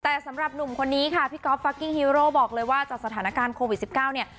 แต่สำหรับหนุ่มคนนี้ค่ะพี่ก๊อฟฟักกิ้งฮีโร่บอกเลยว่าจากสถานการณ์โควิด๑๙เนี่ย